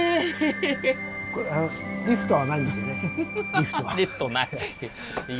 リフトない。